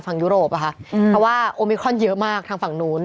เพราะว่าอมเคนะเยอะมากทางฝั่งโน้น